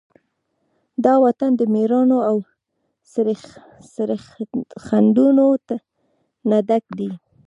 دا وطن د مېړانو، او سرښندنو نه ډک دی.